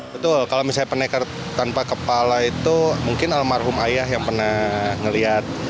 betul kalau misalnya pendekar tanpa kepala itu mungkin almarhum ayah yang pernah melihat